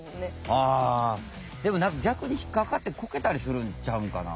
あでも何かぎゃくに引っかかってこけたりするんちゃうんかな？